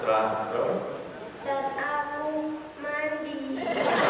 dan aku mandi